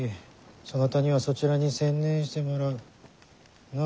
そなたにはそちらに専念してもらう。